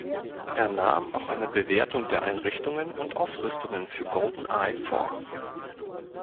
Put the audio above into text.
Er nahm auch eine Bewertung der Einrichtungen und Ausrüstungen für Goldeneye vor.